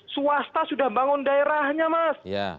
swasta sudah bangun daerahnya mas